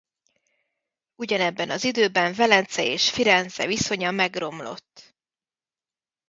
Ugyanebben az időben Velence és Firenze viszonya megromlott.